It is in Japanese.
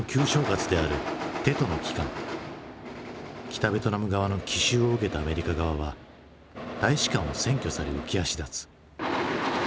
北ベトナム側の奇襲を受けたアメリカ側は大使館を占拠され浮き足だつ。